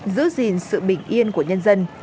giữ gìn sự bình yên của nhân dân